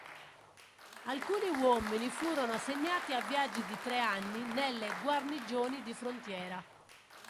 Alcuni uomini furono assegnati a viaggi di tre anni nelle guarnigioni di frontiera.